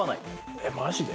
えっマジで？